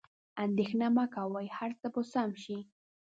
اندیښنه مه کوئ، هر څه به سم شي.